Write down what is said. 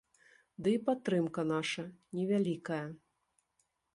Ды і падтрымка наша невялікая.